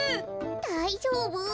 だいじょうぶ？